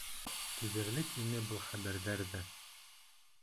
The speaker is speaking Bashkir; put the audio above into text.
Түҙерлек ине был хәбәрҙәр ҙә.